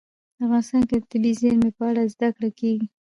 افغانستان کې د طبیعي زیرمې په اړه زده کړه کېږي.